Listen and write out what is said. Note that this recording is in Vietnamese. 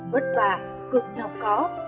vất vả cực nhọc có